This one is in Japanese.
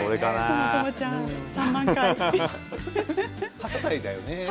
８歳でよね。